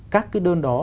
các cái đơn đó